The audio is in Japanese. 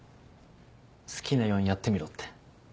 好きなようにやってみろって。